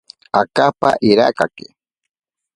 Akapa irakake.